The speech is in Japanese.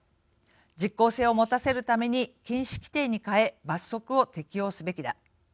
実効性を持たせるために禁止規定に変え罰則を適用すべきだ。